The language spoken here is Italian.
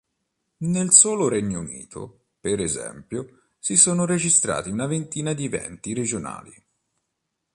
Nel solo Regno Unito, per esempio, si sono registrati una ventina di eventi regionali.